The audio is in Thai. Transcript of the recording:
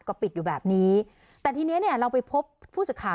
ก็ปิดอยู่แบบนี้แต่ทีเนี้ยเราไปพบผู้สื่อข่าว